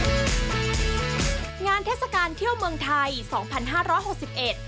เทศกาลเที่ยวเมืองไทยสองพันห้าร้อยหกสิบเอ็ด